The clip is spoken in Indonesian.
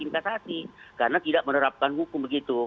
karena tidak menerapkan hukum